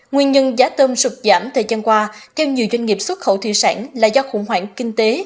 nguyên nhân giá tôm sụt giảm thời gian qua theo nhiều doanh nghiệp xuất khẩu thủy sản là do khủng hoảng kinh tế